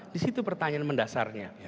disitu pertanyaan mendasarnya